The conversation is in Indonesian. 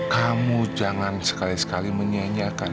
kamu jangan sekali sekali menyianyiakan